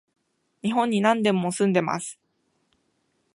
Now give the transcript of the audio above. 日本に何年も住んでます